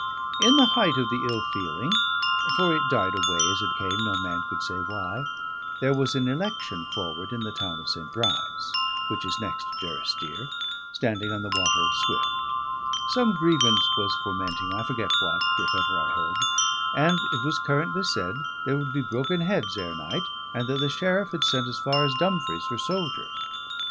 In the height of the ill feeling (for it died away as it came, no man could say why) there was an election forward in the town of St. Bride's, which is the next to Durrisdeer, standing on the Water of Swift; some grievance was fermenting, I forget what, if ever I heard: and it was currently said there would be broken heads ere night, and that the sheriff had sent as far as Dumfries for soldiers.